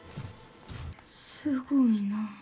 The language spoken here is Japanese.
すごいなあ。